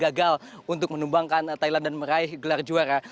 gagal untuk menumbangkan thailand dan meraih gelar juara